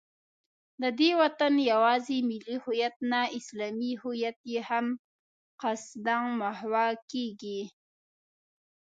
د دې وطن یوازې ملي هویت نه، اسلامي هویت یې هم قصدا محوه کېږي